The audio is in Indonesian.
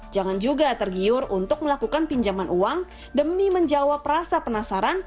jangan juga tergiur untuk melakukan pinjaman uang demi menjawab rasa penasaran